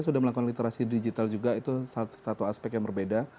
sudah melakukan literasi digital juga itu satu aspek yang berbeda